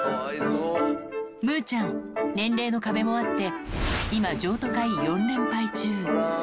むぅちゃん、年齢の壁もあって、今譲渡会４連敗中。